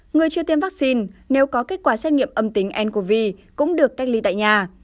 người chưa tiêm vaccine nếu có kết quả xét nghiệm âm tính ncov cũng được cách ly tại nhà